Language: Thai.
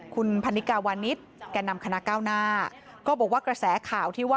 คุณพันนิกาวานิสแก่นำคณะก้าวหน้าก็บอกว่ากระแสข่าวที่ว่า